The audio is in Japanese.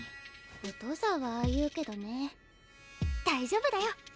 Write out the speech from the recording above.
お父さんはああ言うけどね大丈夫だよ。